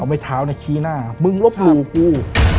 เอาไหมเท้าในชี้หน้ามึงรบหลู่กู